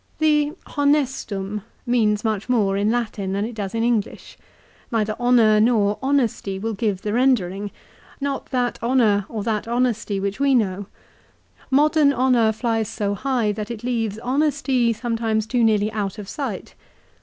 The " honestum " means much more in Latin than it does in English. Neither " honour " nor " honesty " will give the rendering, not that honour or that honesty which we know. Modern honour flies so high that it leaves honesty sometimes too nearly out of sight.